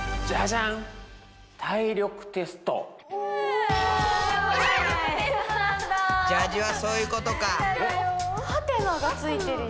ジャージはそういうことか。